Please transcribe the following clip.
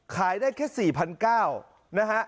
ขายได้แค่๔๙๐๐นะฮะ